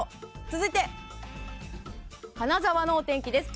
続いて、金沢のお天気です。